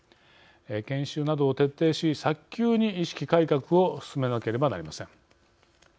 研修などを徹底し早急に意識改革を進めなければなりません。